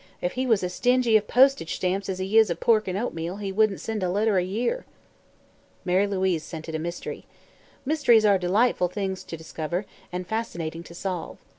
If he was as stingy of postage stamps as he is of pork an' oatmeal, he wouldn't send a letter a year." Mary Louise scented a mystery. Mysteries are delightful things to discover, and fascinating to solve.